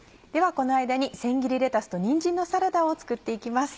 この間にせん切りレタスとにんじんのサラダを作って行きます。